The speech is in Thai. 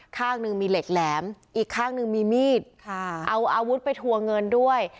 ข้างหนึ่งมีเหล็กแหลมอีกข้างหนึ่งมีมีดเอาอาวุธไปทัวร์เงินด้วย